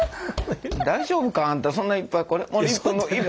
大丈夫かあんたそんないっぱい。